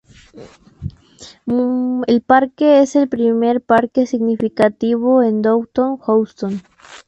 El parque es el primer parque significativo en Downtown Houston.